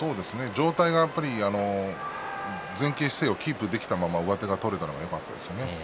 上体が前傾姿勢をキープできたまま上手が取れたのがよかったですね。